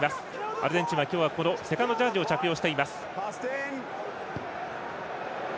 アルゼンチンは今日はセカンドジャージを着用しています。